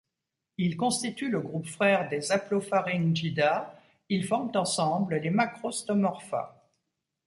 Ils constituent le groupe frère des Haplopharyngida, ils forment ensemble les Macrostomorpha.